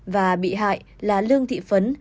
và bị hại là lương thị phấn